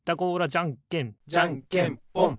じゃんけんじゃんけんぽん！